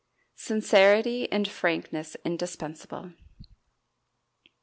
Sincerity and Frankness Indispensable.